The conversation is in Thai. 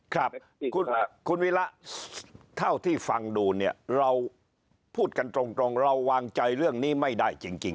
ครับคุณวิระเท่าที่ฟังดูเนี่ยเราพูดกันตรงเราวางใจเรื่องนี้ไม่ได้จริง